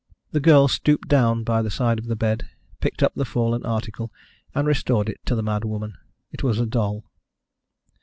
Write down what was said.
The girl stooped down by the side of the bed, picked up the fallen article, and restored it to the mad woman. It was a doll.